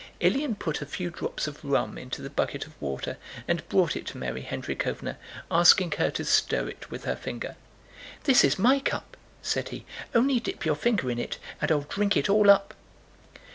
Ilyín put a few drops of rum into the bucket of water and brought it to Mary Hendríkhovna, asking her to stir it with her finger. "This is my cup," said he. "Only dip your finger in it and I'll drink it all up."